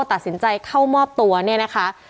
ตัดสินใจเข้ามอบตัวเนี่ยนะคะ